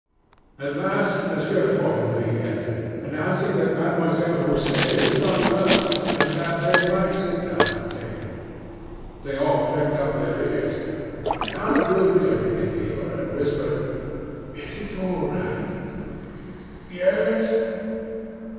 At last Monsieur Follenvie entered, announcing that Mademoiselle Rousset was not well, and that they might sit down to table. They all pricked up their ears. The count drew near the innkeeper, and whispered: "Is it all right?" "Yes."